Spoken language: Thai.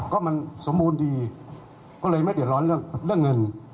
ก็มันสมบูรณ์ดีก็เลยไม่เดือดร้อนเรื่องเงิน